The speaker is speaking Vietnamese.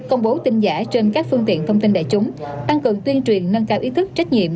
công bố tin giả trên các phương tiện thông tin đại chúng tăng cường tuyên truyền nâng cao ý thức trách nhiệm